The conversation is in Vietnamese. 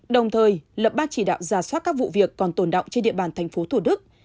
đồng thời lập ba chỉ đạo giả soát các vụ việc còn tồn động trên địa bàn thành phố thủ đức